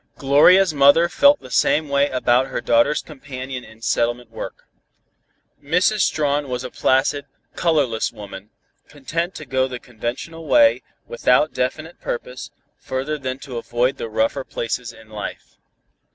Gloria's mother felt the same way about her daughter's companion in settlement work. Mrs. Strawn was a placid, colorless woman, content to go the conventional way, without definite purpose, further than to avoid the rougher places in life.